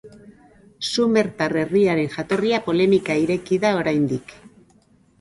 Sumertar herriaren jatorria polemika ireki da oraindik.